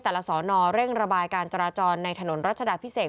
สอนอเร่งระบายการจราจรในถนนรัชดาพิเศษ